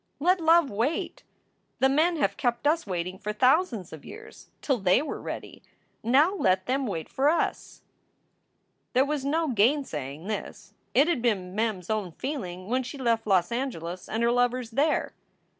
"Let love wait! The men have kept us waiting for thou sands of years, till they were ready. Now let them wait for us." 4 o 4 SOULS FOR SALE There was no gainsaying this. It had been Mem s own feeling when she left Los Angeles and her lovers there.